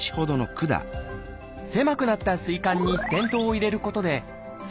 狭くなったすい管にステントを入れることです